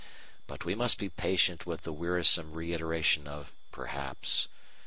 But we must be patient with the wearisome reiteration of "perhaps."